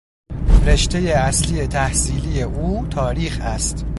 رشتهی اصلی تحصیلی او تاریخ است.